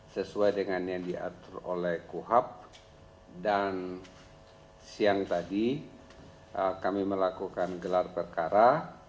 sesuai dengan yang diatur oleh kuhap dan siang tadi kami melakukan gelar perkara